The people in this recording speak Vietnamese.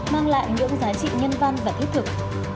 mang lại những giá trị nhân văn và thiết thực